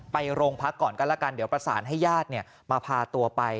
ไปโรงพักก่อนก็แล้วกันเดี๋ยวประสานให้ญาติมาพาตัวไป